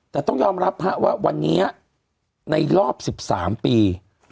แต่ต้องยอมรับว่าวันนี้ในรอบ๑๓ปี